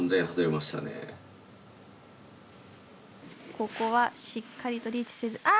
ここはしっかりとリーチせずあ